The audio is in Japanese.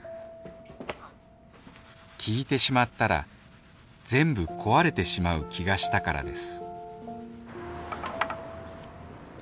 聞いてしまったら全部壊れてしまう気がしたからです